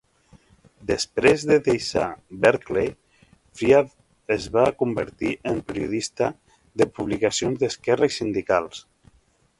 Després de deixar Berkeley, Friedan es va convertir en periodista de publicacions d'esquerra i sindicals.